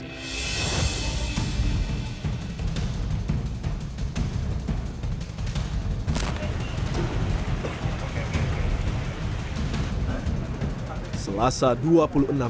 tidak ada kekuatan untuk mencari identitas pelaku mutilasi